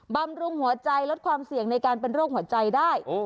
บำรุงหัวใจลดความเสี่ยงในการเป็นโรคหัวใจได้